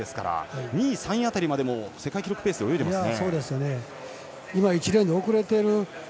２位、３位辺りも世界記録ペースで泳いでますね。